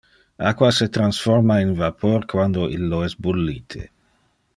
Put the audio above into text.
Aqua se transforma in vapor quando illo es bullite.